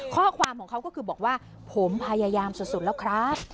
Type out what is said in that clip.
ข้อความของเขาก็คือบอกว่าผมพยายามสุดแล้วครับ